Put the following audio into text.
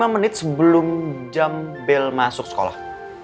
lima menit sebelum jam bel masuk sekolah